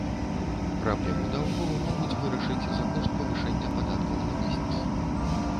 Праблему даўгоў могуць вырашыць за кошт павышэння падаткаў на бізнес.